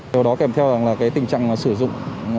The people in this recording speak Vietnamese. điều đó kèm theo là tình trạng sử dụng